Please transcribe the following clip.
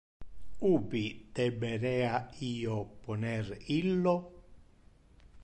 Ubi deberea Io poner illo?